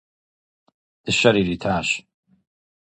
Дыщэр иритащ.